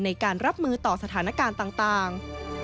ในการรับมือต่อสถานการณ์ต่าง